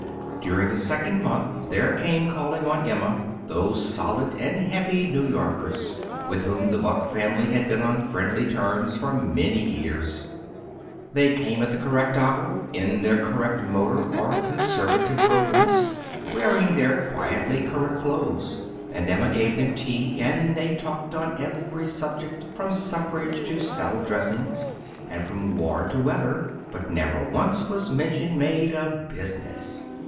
During the second month there came calling on Emma, those solid and heavy New Yorkers, with whom the Buck family had been on friendly terms for many years. They came at the correct hour, in their correct motor or conservative broughams, wearing their quietly correct clothes, and Emma gave them tea, and they talked on every subject from suffrage to salad dressings, and from war to weather, but never once was mention made of business.